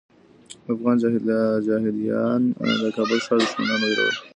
افغان جهاديان د کابل ښار دښمنان ویرولي.